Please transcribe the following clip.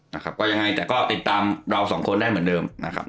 นะครับก็ยังไงแต่ก็ติดตามเราสองคนได้เหมือนเดิมนะครับ